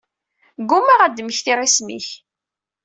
Ggummaɣ ad mmektiɣ isem-ik.